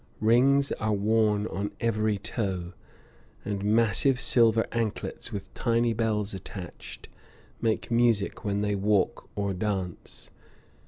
Rings are worn on every toe, and massive silver anklets with tiny bells attached make music when they walk of dance.